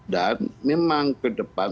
dan memang ke depan